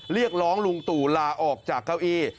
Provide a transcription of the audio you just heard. เรียกร้องลุงตู่ลาออกจากเก้าอี้